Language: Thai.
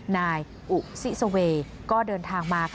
นายอุซิสเวย์ก็เดินทางมา